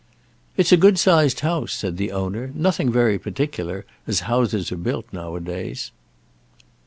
"It's a good sized house," said the owner; "nothing very particular, as houses are built now a days."